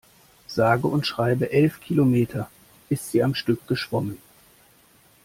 Sage und schreibe elf Kilometer ist sie am Stück geschwommen.